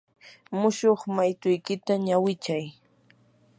mushuq maytuykita ñawinchay.